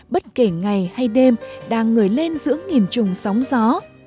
bất kể ngày hay đêm đang ngồi lên giữa nghìn trùng sóng gió